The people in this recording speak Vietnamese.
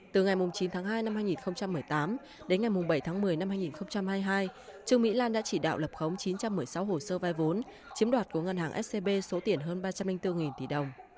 từ ngày chín tháng hai năm hai nghìn một mươi tám đến ngày bảy tháng một mươi năm hai nghìn hai mươi hai trương mỹ lan đã chỉ đạo lập khống chín trăm một mươi sáu hồ sơ vai vốn chiếm đoạt của ngân hàng scb số tiền hơn ba trăm linh bốn tỷ đồng